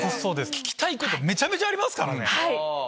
聞きたいことめちゃめちゃありますからね。